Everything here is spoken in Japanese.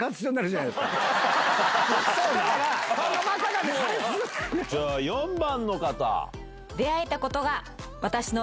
じゃあ４番の方。